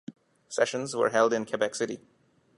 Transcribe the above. Sessions were held in Quebec City.